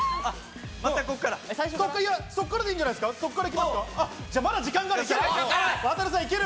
ここからでいいんじゃないですか？